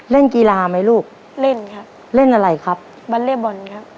เล่นกีฬาไหมลูกเล่นครับเล่นอะไรครับวอลเล่บอลครับ